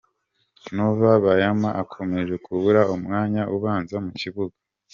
Nova Bayama akomeje kubura umwanya ubanza mu kibuga.